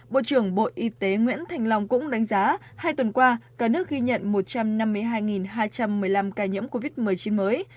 bộ trưởng bộ y tế nguyễn thành long cũng đánh giá hai tuần qua cả nước ghi nhận một trăm năm mươi hai hai trăm một mươi năm ca nhiễm covid một mươi chín mới